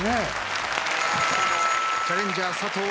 チャレンジャー佐藤